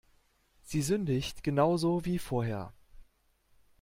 Sie sündigt genauso wie vorher.